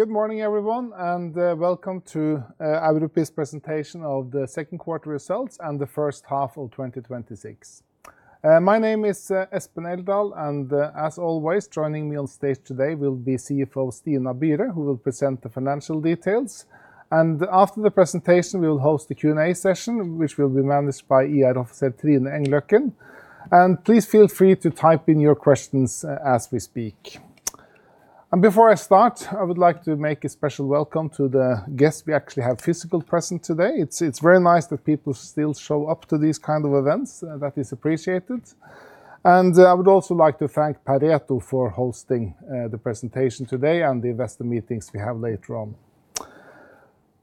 Good morning, everyone, and welcome to Europris presentation of the second quarter results and the first half of 2026. My name is Espen Eldal, and as always, joining me on stage today will be CFO Stina Byre, who will present the financial details. After the presentation, we will host a Q&A session, which will be managed by IR officer Trine Engløkken. Please feel free to type in your questions as we speak. Before I start, I would like to make a special welcome to the guests we actually have physically present today. It is very nice that people still show up to these kind of events. That is appreciated. I would also like to thank Pareto for hosting the presentation today and the investor meetings we have later on.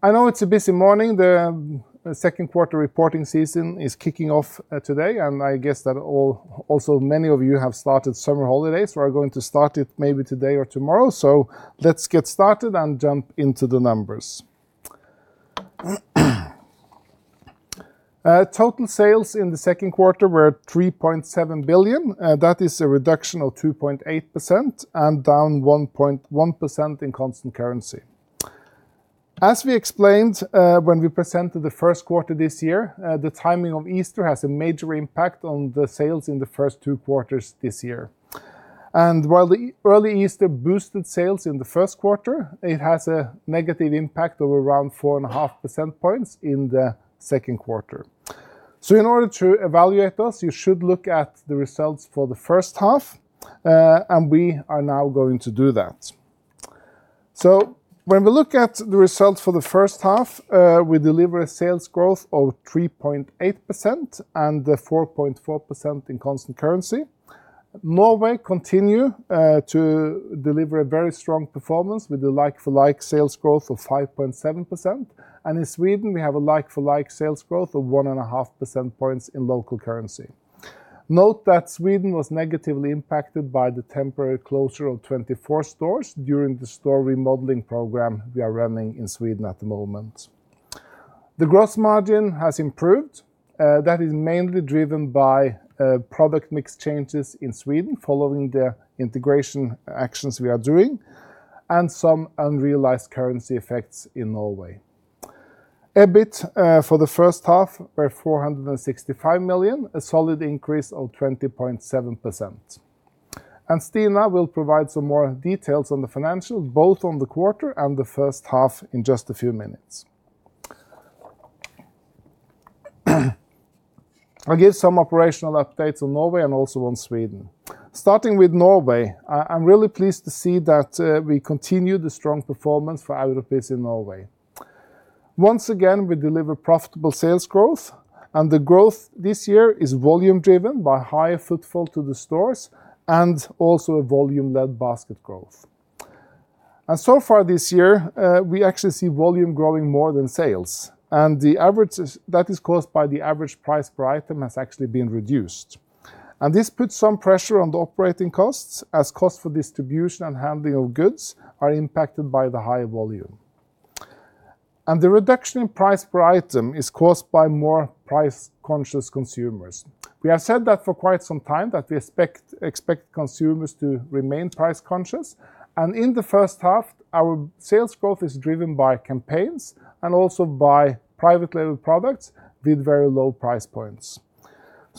I know it is a busy morning. The second quarter reporting season is kicking off today. I guess that also many of you have started summer holidays, or are going to start it maybe today or tomorrow. Let's get started and jump into the numbers. Total sales in the second quarter were 3.7 billion. That is a reduction of 2.8% and down 1.1% in constant currency. As we explained when we presented the first quarter this year, the timing of Easter has a major impact on the sales in the first two quarters this year. While the early Easter boosted sales in the first quarter, it has a negative impact of around 4.5% points in the second quarter. In order to evaluate this, you should look at the results for the first half, and we are now going to do that. When we look at the results for the first half, we deliver a sales growth of 3.8% and 4.4% in constant currency. Norway continue to deliver a very strong performance with a like-for-like sales growth of 5.7%, and in Sweden we have a like-for-like sales growth of 1.5% points in local currency. Note that Sweden was negatively impacted by the temporary closure of 24 stores during the store remodeling program we are running in Sweden at the moment. The gross margin has improved. That is mainly driven by product mix changes in Sweden following the integration actions we are doing, and some unrealized currency effects in Norway. EBIT for the first half were 465 million, a solid increase of 20.7%. Stina will provide some more details on the financials, both on the quarter and the first half in just a few minutes. I will give some operational updates on Norway and also on Sweden. Starting with Norway, I am really pleased to see that we continue the strong performance for Europris in Norway. Once again, we deliver profitable sales growth, and the growth this year is volume driven by higher footfall to the stores and also a volume-led basket growth. So far this year, we actually see volume growing more than sales, and that is caused by the average price per item has actually been reduced. This puts some pressure on the operating costs, as costs for distribution and handling of goods are impacted by the high volume. The reduction in price per item is caused by more price-conscious consumers. We have said that for quite some time, that we expect consumers to remain price conscious. In the first half, our sales growth is driven by campaigns and also by private label products with very low price points.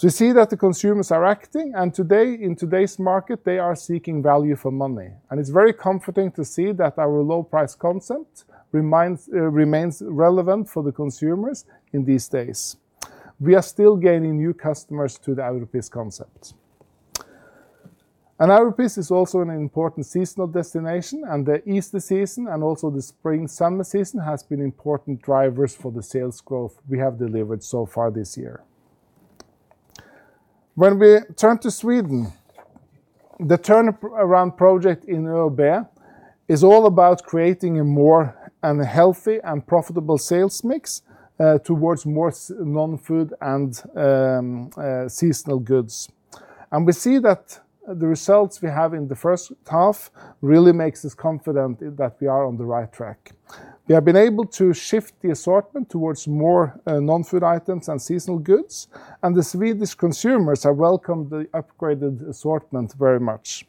We see that the consumers are acting, and in today's market, they are seeking value for money. It's very comforting to see that our low price concept remains relevant for the consumers in these days. We are still gaining new customers to the Europris concept. Europris is also an important seasonal destination, and the Easter season and also the spring/summer season has been important drivers for the sales growth we have delivered so far this year. When we turn to Sweden, the turnaround project in ÖoB is all about creating a more healthy and profitable sales mix towards more non-food and seasonal goods. We see that the results we have in the first half really makes us confident that we are on the right track. We have been able to shift the assortment towards more non-food items and seasonal goods, and the Swedish consumers have welcomed the upgraded assortment very much.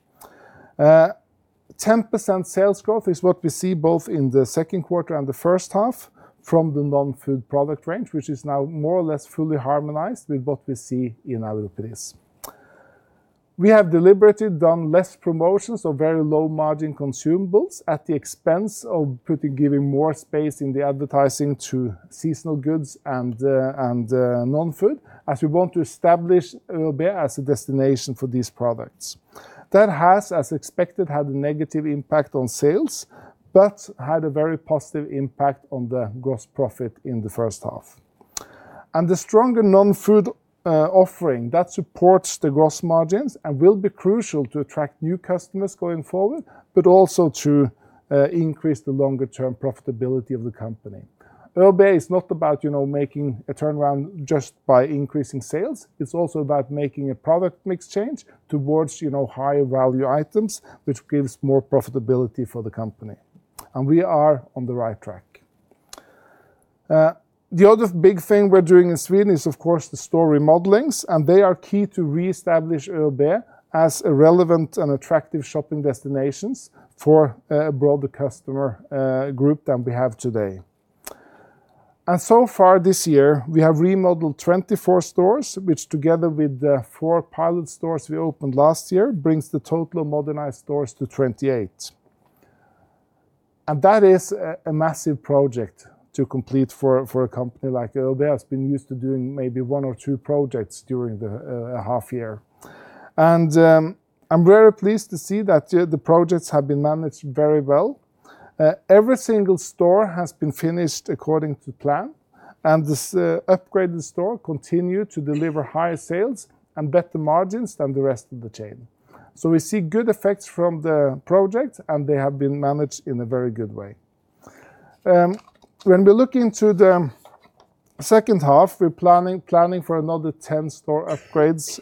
10% sales growth is what we see both in the second quarter and the first half from the non-food product range, which is now more or less fully harmonized with what we see in Europris. We have deliberately done less promotions of very low-margin consumables at the expense of giving more space in the advertising to seasonal goods and non-food, as we want to establish ÖoB as a destination for these products. That has, as expected, had a negative impact on sales, but had a very positive impact on the gross profit in the first half. The stronger non-food offering, that supports the gross margins and will be crucial to attract new customers going forward, but also to increase the longer-term profitability of the company. ÖoB is not about making a turnaround just by increasing sales. It's also about making a product mix change towards high-value items, which gives more profitability for the company, and we are on the right track. The other big thing we're doing in Sweden is, of course, the store remodelings, and they are key to reestablish ÖoB as a relevant and attractive shopping destinations for a broader customer group than we have today. So far this year, we have remodeled 24 stores, which together with the four pilot stores we opened last year, brings the total modernized stores to 28. That is a massive project to complete for a company like ÖoB that has been used to doing maybe one or two projects during a half year. I'm very pleased to see that the projects have been managed very well. Every single store has been finished according to plan, and this upgraded store continue to deliver higher sales and better margins than the rest of the chain. We see good effects from the project, and they have been managed in a very good way. When we look into the second half, we're planning for another 10 store upgrades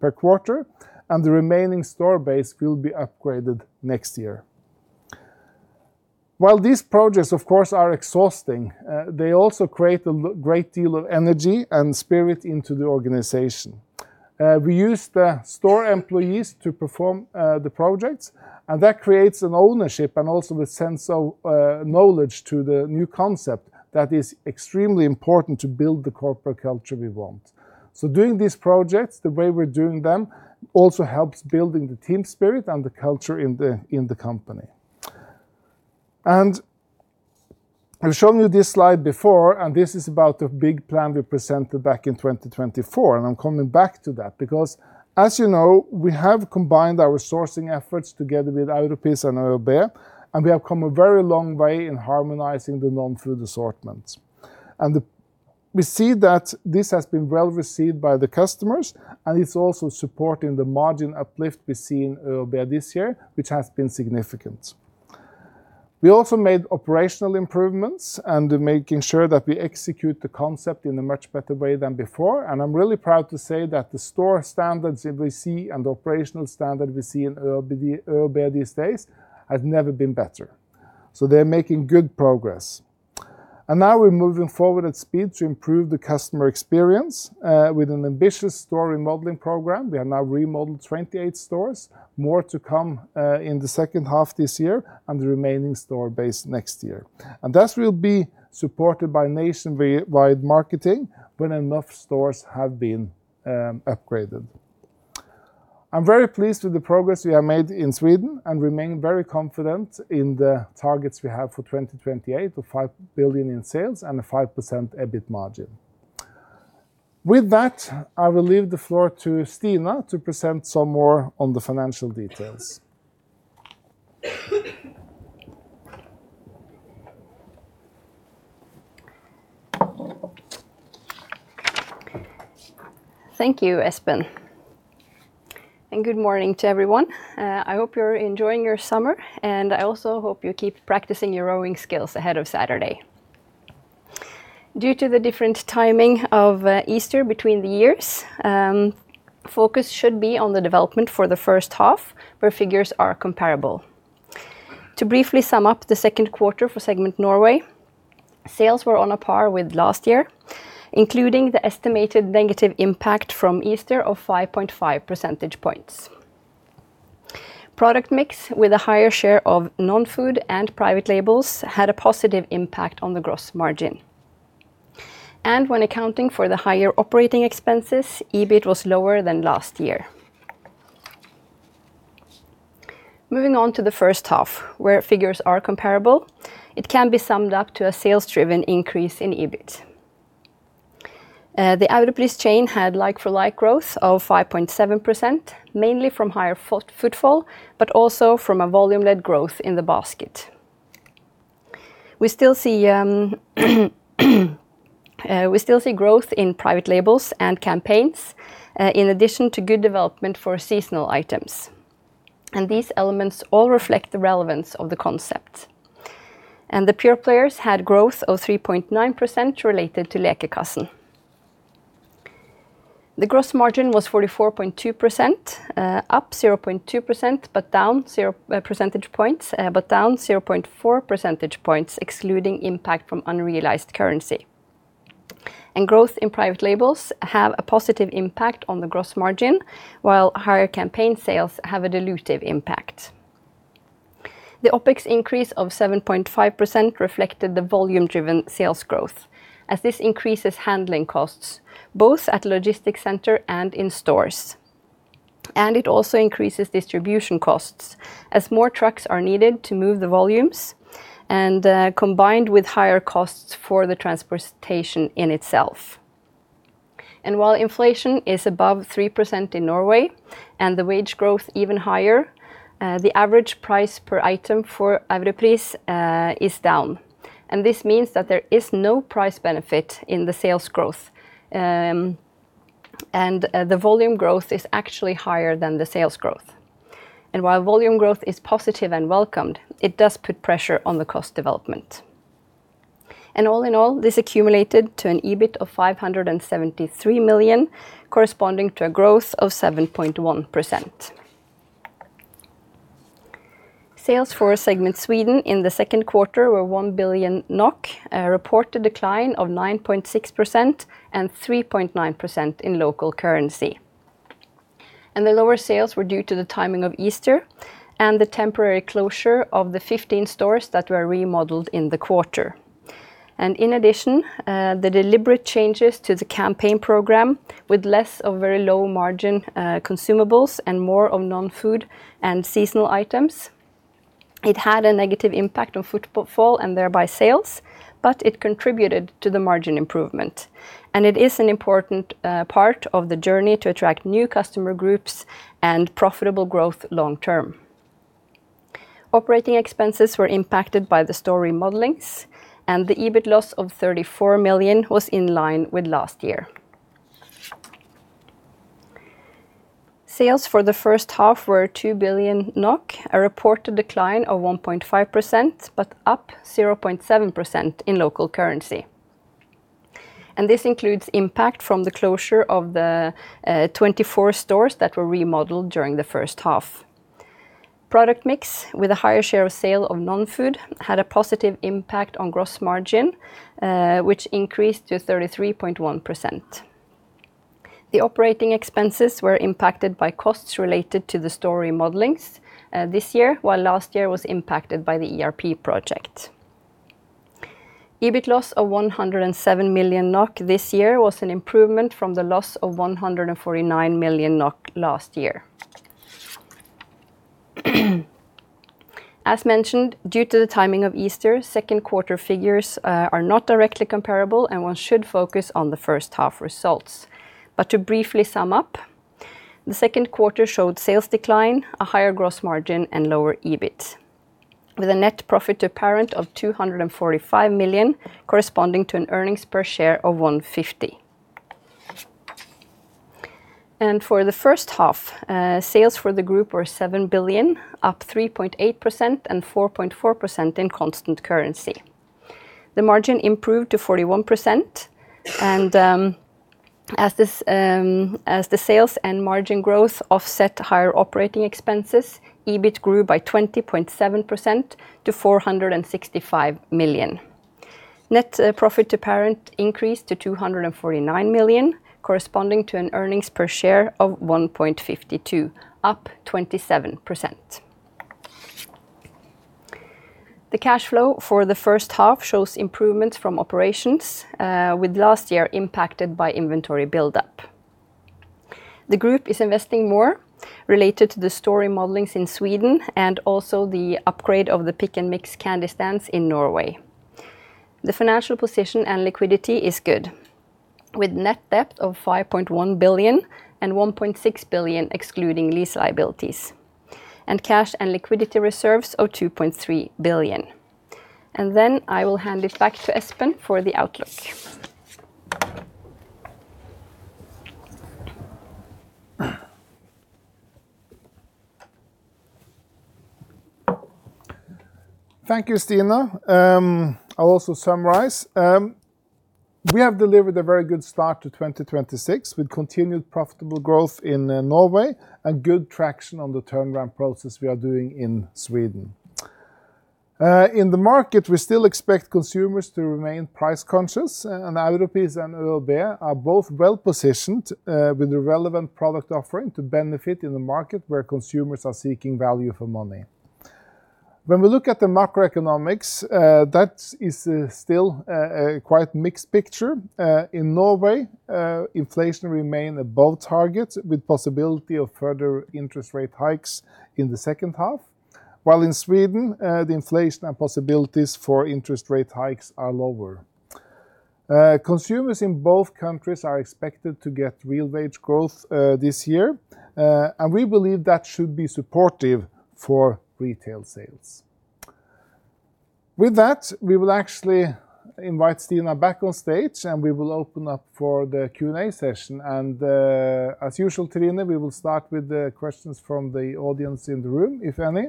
per quarter, and the remaining store base will be upgraded next year. While these projects, of course, are exhausting, they also create a great deal of energy and spirit into the organization. We use the store employees to perform the projects, and that creates an ownership and also a sense of knowledge to the new concept that is extremely important to build the corporate culture we want. Doing these projects the way we're doing them also helps building the team spirit and the culture in the company. I've shown you this slide before, and this is about a big plan we presented back in 2024, and I'm coming back to that because, as you know, we have combined our sourcing efforts together with Europris and ÖoB, and we have come a very long way in harmonizing the non-food assortments. We see that this has been well received by the customers, and it's also supporting the margin uplift we see in ÖoB this year, which has been significant. We also made operational improvements and making sure that we execute the concept in a much better way than before. I'm really proud to say that the store standards that we see and the operational standard we see in ÖoB these days have never been better. They're making good progress. Now we're moving forward at speed to improve the customer experience, with an ambitious store remodeling program. We have now remodeled 28 stores, more to come in the second half this year and the remaining store base next year. That will be supported by nationwide marketing when enough stores have been upgraded. I'm very pleased with the progress we have made in Sweden and remain very confident in the targets we have for 2028 of 5 billion in sales and a 5% EBIT margin. With that, I will leave the floor to Stina to present some more on the financial details. Thank you, Espen, and good morning to everyone. I hope you're enjoying your summer, and I also hope you keep practicing your rowing skills ahead of Saturday. Due to the different timing of Easter between the years, focus should be on the development for the first half, where figures are comparable. To briefly sum up the second quarter for segment Norway, sales were on a par with last year, including the estimated negative impact from Easter of 5.5 percentage points. Product mix with a higher share of non-food and private labels had a positive impact on the gross margin. When accounting for the higher operating expenses, EBIT was lower than last year. Moving on to the first half, where figures are comparable, it can be summed up to a sales-driven increase in EBIT. The Europris chain had like-for-like growth of 5.7%, mainly from higher footfall, but also from a volume-led growth in the basket. We still see growth in private labels and campaigns, in addition to good development for seasonal items. These elements all reflect the relevance of the concept. The pure players had growth of 3.9% related to Lekekassen. The gross margin was 44.2%, up 0.2%, but down 0.4 percentage points excluding impact from unrealized currency. Growth in private labels have a positive impact on the gross margin, while higher campaign sales have a dilutive impact. The OpEx increase of 7.5% reflected the volume driven sales growth, as this increases handling costs both at logistic center and in stores. It also increases distribution costs as more trucks are needed to move the volumes and combined with higher costs for the transportation in itself. While inflation is above 3% in Norway and the wage growth even higher, the average price per item for Europris is down. This means that there is no price benefit in the sales growth, and the volume growth is actually higher than the sales growth. While volume growth is positive and welcomed, it does put pressure on the cost development. All in all, this accumulated to an EBIT of 573 million, corresponding to a growth of 7.1%. Sales for segment Sweden in the second quarter were 1 billion NOK, a reported decline of 9.6% and 3.9% in local currency. The lower sales were due to the timing of Easter and the temporary closure of the 15 stores that were remodeled in the quarter. In addition, the deliberate changes to the campaign program, with less of very low-margin consumables and more of non-food and seasonal items, it had a negative impact on footfall and thereby sales, but it contributed to the margin improvement. It is an important part of the journey to attract new customer groups and profitable growth long term. Operating expenses were impacted by the store remodelings, and the EBIT loss of 34 million was in line with last year. Sales for the first half were 2 billion NOK, a reported decline of 1.5%, but up 0.7% in local currency. This includes impact from the closure of the 24 stores that were remodeled during the first half. Product mix with a higher share of sale of non-food had a positive impact on gross margin, which increased to 33.1%. The operating expenses were impacted by costs related to the store remodelings this year, while last year was impacted by the ERP project. EBIT loss of 107 million NOK this year was an improvement from the loss of 149 million NOK last year. As mentioned, due to the timing of Easter, second quarter figures are not directly comparable and one should focus on the first half results. To briefly sum up, the second quarter showed sales decline, a higher gross margin, and lower EBIT, with a net profit to parent of 245 million, corresponding to an earnings per share of 150. For the first half, sales for the group were 7 billion, up 3.8% and 4.4% in constant currency. The margin improved to 41%. As the sales and margin growth offset higher operating expenses, EBIT grew by 20.7% to 465 million. Net profit to parent increased to 249 million, corresponding to an EPS of 1.52, up 27%. The cash flow for the first half shows improvements from operations, with last year impacted by inventory buildup. The group is investing more related to the store remodelings in Sweden, and also the upgrade of the pick and mix candy stands in Norway. The financial position and liquidity is good, with net debt of 5.1 billion and 1.6 billion excluding lease liabilities, and cash and liquidity reserves of 2.3 billion. I will hand it back to Espen for the outlook. Thank you, Stina. I will also summarize. We have delivered a very good start to 2026, with continued profitable growth in Norway and good traction on the turnaround process we are doing in Sweden. In the market, we still expect consumers to remain price conscious, and Europris and ÖoB are both well-positioned with the relevant product offering to benefit in the market where consumers are seeking value for money. When we look at the macroeconomics, that is still a quite mixed picture. In Norway, inflation remained above target with possibility of further interest rate hikes in the second half. While in Sweden, the inflation and possibilities for interest rate hikes are lower. Consumers in both countries are expected to get real wage growth this year. We believe that should be supportive for retail sales. With that, we will actually invite Stina back on stage, and we will open up for the Q&A session. As usual, Trine, we will start with the questions from the audience in the room, if any.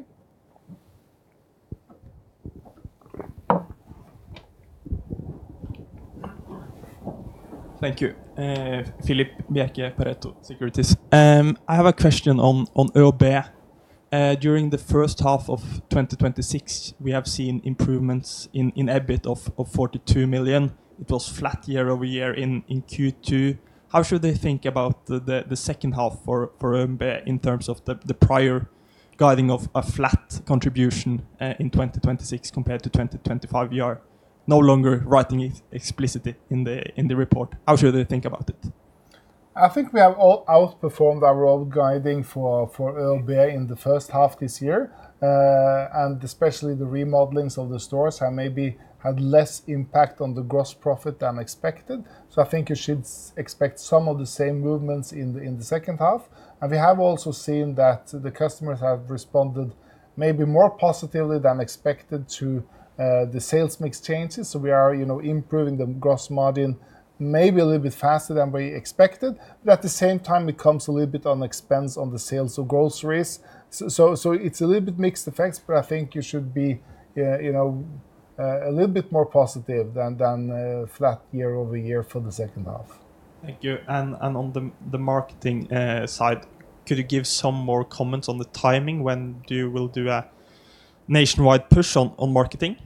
Thank you. Phillihp Bjerke, Pareto Securities. I have a question on ÖoB. During the first half of 2026, we have seen improvements in EBIT of 42 million. It was flat year-over-year in Q2. How should they think about the second half for ÖoB in terms of the prior guiding of a flat contribution in 2026 compared to 2025? You are no longer writing it explicitly in the report. How should they think about it? I think we have outperformed our own guiding for ÖoB in the first half this year. Especially the remodelings of the stores have maybe had less impact on the gross profit than expected. I think you should expect some of the same movements in the second half. We have also seen that the customers have responded maybe more positively than expected to the sales mix changes. We are improving the gross margin maybe a little bit faster than we expected. At the same time, it comes a little bit on expense on the sales of groceries. It's a little bit mixed effects, but I think you should be a little bit more positive than flat year-over-year for the second half. Thank you. On the marketing side, could you give some more comments on the timing when you will do a nationwide push on marketing?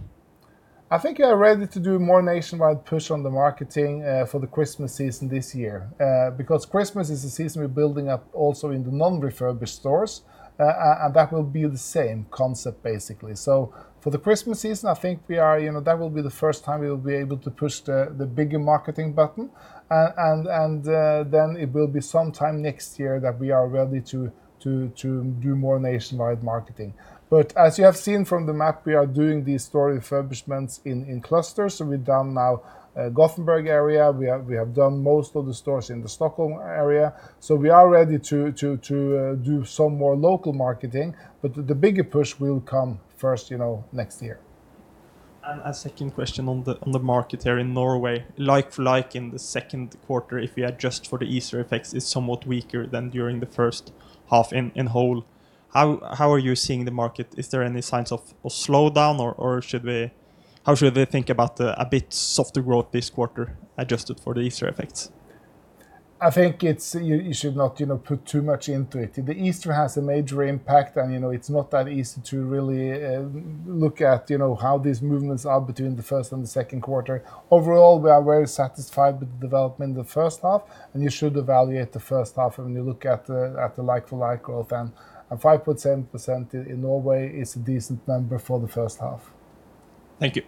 I think we are ready to do more nationwide push on the marketing for the Christmas season this year because Christmas is a season we're building up also in the non-refurbished stores, and that will be the same concept basically. For the Christmas season, I think that will be the first time we will be able to push the bigger marketing button. Then it will be sometime next year that we are ready to do more nationwide marketing. As you have seen from the map, we are doing these store refurbishments in clusters. We're done now Gothenburg area. We have done most of the stores in the Stockholm area. We are ready to do some more local marketing, but the bigger push will come first next year. A second question on the market here in Norway. Like-for-like in the second quarter, if you adjust for the Easter effects, it's somewhat weaker than during the first half in whole. How are you seeing the market? Is there any signs of a slowdown, or how should they think about the a bit softer growth this quarter, adjusted for the Easter effects? I think you should not put too much into it. The Easter has a major impact, and it's not that easy to really look at how these movements are between the first and the second quarter. Overall, we are very satisfied with the development in the first half. You should evaluate the first half when you look at the like-for-like growth. 5.7% in Norway is a decent number for the first half. Thank you.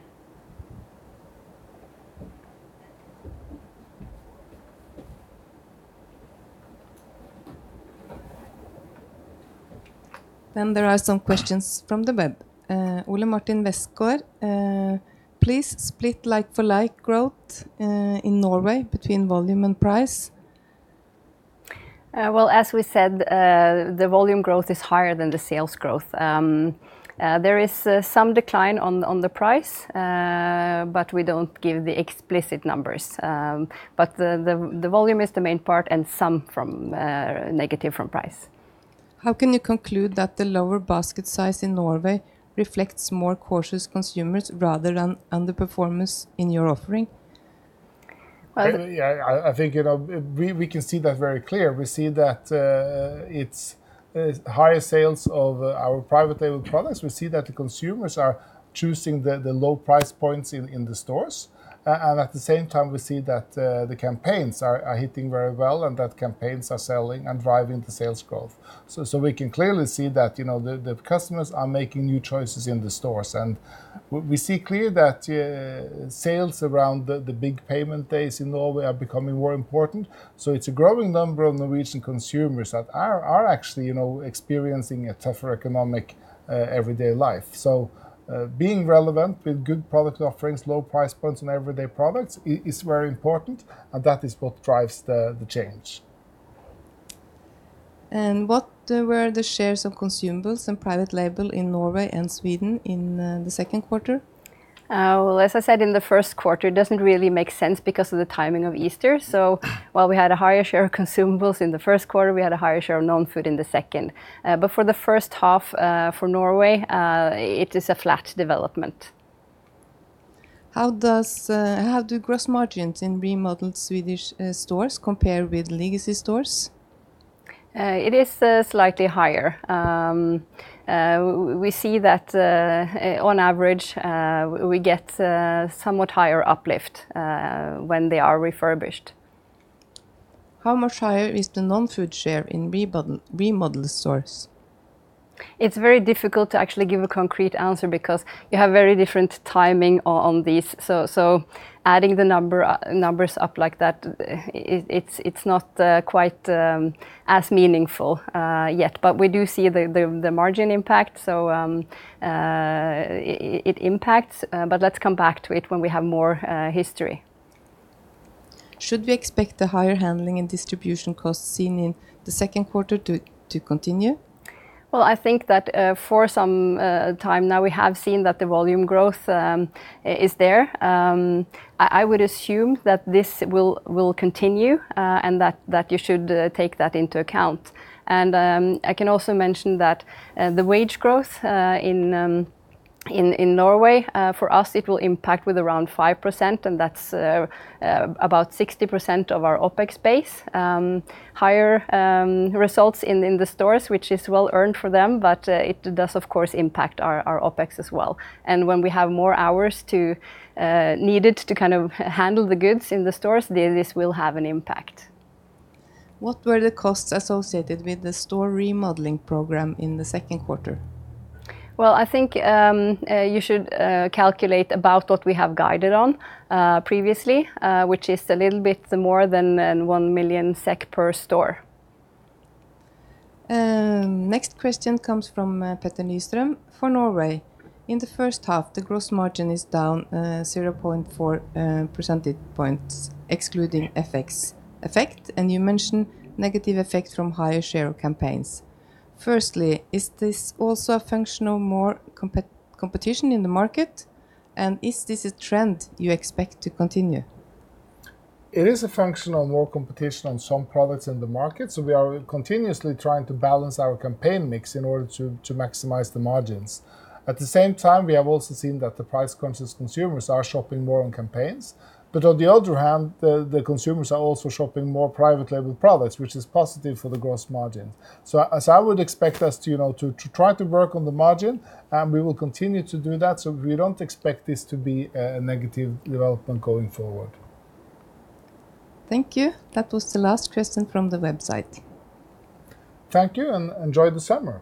There are some questions from the web. Ole Martin Westgaard, please split like-for-like growth in Norway between volume and price. Well, as we said, the volume growth is higher than the sales growth. There is some decline on the price, but we don't give the explicit numbers. The volume is the main part and some negative from price. How can you conclude that the lower basket size in Norway reflects more cautious consumers rather than underperformance in your offering? I think we can see that very clear. We see that it's higher sales of our private label products. We see that the consumers are choosing the low price points in the stores. At the same time, we see that the campaigns are hitting very well and that campaigns are selling and driving the sales growth. We can clearly see that the customers are making new choices in the stores. We see clear that sales around the big payment days in Norway are becoming more important. It's a growing number of Norwegian consumers that are actually experiencing a tougher economic everyday life. Being relevant with good product offerings, low price points on everyday products is very important, and that is what drives the change. What were the shares of consumables and private label in Norway and Sweden in the second quarter? Well, as I said in the first quarter, it doesn't really make sense because of the timing of Easter. While we had a higher share of consumables in the first quarter, we had a higher share of non-food in the second. For the first half for Norway, it is a flat development. How do gross margins in remodeled Swedish stores compare with legacy stores? It is slightly higher. We see that on average we get somewhat higher uplift when they are refurbished. How much higher is the non-food share in remodeled stores? It's very difficult to actually give a concrete answer because you have very different timing on these. Adding the numbers up like that, it's not quite as meaningful yet. We do see the margin impact, so it impacts. Let's come back to it when we have more history. Should we expect the higher handling and distribution costs seen in the second quarter to continue? Well, I think that for some time now we have seen that the volume growth is there. I would assume that this will continue, and that you should take that into account. I can also mention that the wage growth in Norway for us it will impact with around 5%, and that's about 60% of our OpEx base. Higher results in the stores, which is well earned for them, but it does of course impact our OpEx as well. When we have more hours needed to kind of handle the goods in the stores, this will have an impact. What were the costs associated with the store remodeling program in the second quarter? Well, I think you should calculate about what we have guided on previously, which is a little bit more than 1 million SEK per store. Next question comes from Petter Nyström. For Norway, in the first half, the gross margin is down 0.4 percentage points, excluding FX effect, you mention negative effect from higher share campaigns. Firstly, is this also a function of more competition in the market, is this a trend you expect to continue? It is a function of more competition on some products in the market, we are continuously trying to balance our campaign mix in order to maximize the margins. At the same time, we have also seen that the price-conscious consumers are shopping more on campaigns. On the other hand, the consumers are also shopping more private label products, which is positive for the gross margin. As I would expect us to try to work on the margin, we will continue to do that, we don't expect this to be a negative development going forward. Thank you. That was the last question from the website. Thank you, enjoy the summer